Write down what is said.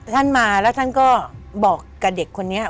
ท่านมาแล้วท่านก็บอกกับเด็กคนนี้